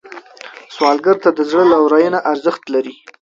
سوالګر ته د زړه لورینه ارزښت لري